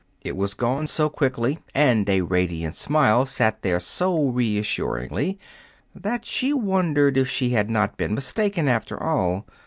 It was gone so quickly, and a radiant smile sat there so reassuringly, that she wondered if she had not been mistaken, after all.